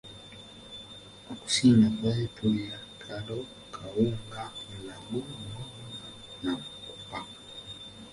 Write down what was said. Okusinga twali tulya kalo, kawunga, ndaggu, muwogo na bukupa.